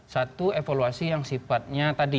satu evaluasi yang sifatnya tadi